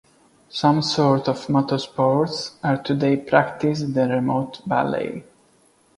Some sorts of motorsport are today practised in the remote valley.